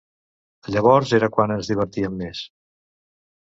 Llavors era quan ens divertíem més.